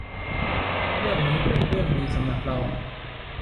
เรื่องนี้เป็นเรื่องดีสำหรับเรา